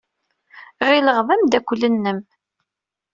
Ɣileɣ d ameddakel-nnem.